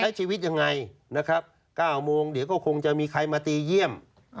ชีวิตยังไงนะครับ๙โมงเดี๋ยวก็คงจะมีใครมาตีเยี่ยม